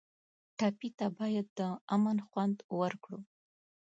ټپي ته باید د امن خوند ورکړو.